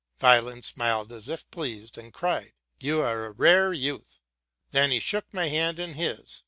Weyland smiled as if pleased, and cried, '' You are a rare youth!'' 'Then he shook my hand in his.